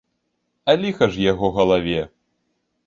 А ліха ж яго галаве!